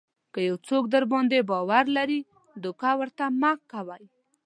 که یو څوک درباندې باور لري دوکه ورته مه کوئ.